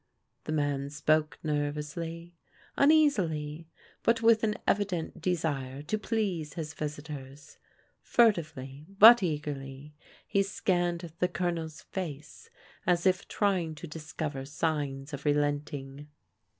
The man spoke nervously, uneasily, but with an evi dent desire to please his visitors. Furtively, but eagerly, he scanned the Colonel's face as if trying to discover signs of relenting.